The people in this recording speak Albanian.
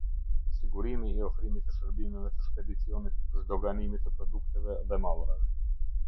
Sigurimi i ofrimit të shërbimeve të shpedicionit zhdoganimit të produkteve dhe mallrave